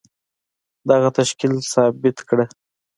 دغه تشکيل ثابته کړه.